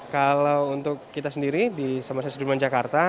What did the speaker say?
kalau untuk kita sendiri di samari sudirman jakarta